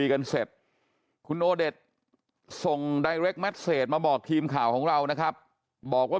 แต่คุณโอเดทบอก๕นาทีได้